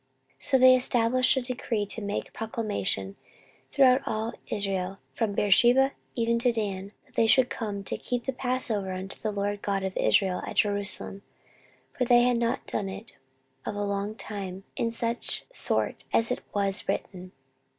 14:030:005 So they established a decree to make proclamation throughout all Israel, from Beersheba even to Dan, that they should come to keep the passover unto the LORD God of Israel at Jerusalem: for they had not done it of a long time in such sort as it was written.